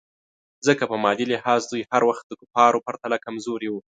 ځکه په مادي لحاظ دوی هر وخت د کفارو پرتله کمزوري وو.